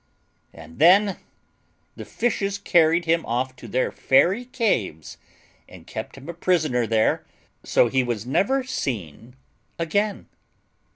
And then the fishes carried him off to their fairy caves and kept him a prisoner there, so he was never seen again.